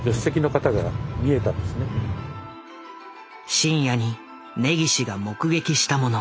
深夜に根岸が目撃したもの。